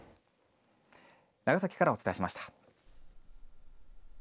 長崎からお伝えしました。